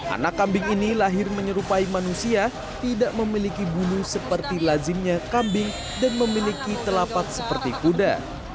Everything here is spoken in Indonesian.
anak kambing ini lahir menyerupai manusia tidak memiliki bunuh seperti lazimnya kambing dan memiliki telapak seperti kuda